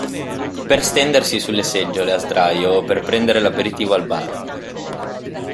Per stendersi sulle seggiole a sdraio o per prendere l'aperitivo al bar.